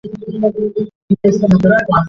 চলিত ভাষা সর্বদাই নতুন নতুন ধ্বনি-পরিবর্তন করে।